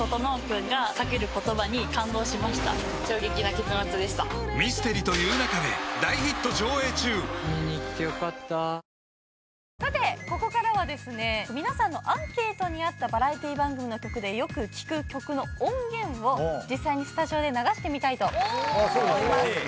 血圧１３０超えたらサントリー「胡麻麦茶」さてここからは皆さんのアンケートにあったバラエティー番組の曲でよく聴く曲の音源を実際にスタジオで流してみたいと思います。